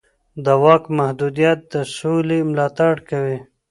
د واک محدودیت د سولې ملاتړ کوي